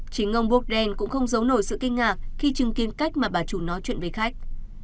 chính ông borrell cũng không giấu nổi sự kinh ngạc khi chứng kiến cách mà bà chủ nói chuyện với khách